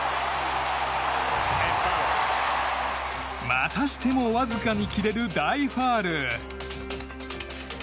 またしてもわずかに切れる大ファウル。